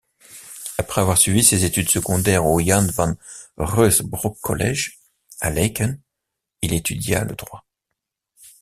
Après avoir suivi ses études secondaires au Jan-van-Ruusbroeckollege à Laeken, il étudia le droit.